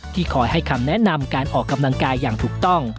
คอยให้คำแนะนำการออกกำลังกายอย่างถูกต้อง